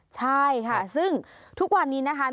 ใช่ค่ะซึ่งทุกวันนี้นะคะ